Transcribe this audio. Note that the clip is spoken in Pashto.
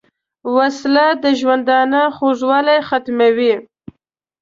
وسله د ژوندانه خوږوالی ختموي